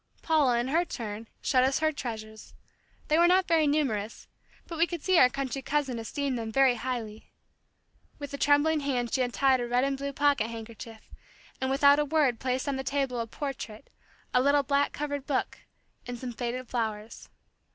Paula in her turn, showed us her treasures. They were not very numerous, but we could see our country cousin esteemed them very highly. With a trembling hand she untied a red and blue pocket handkerchief, and without a word placed on the table a portrait, a little black covered book, and some faded flowers.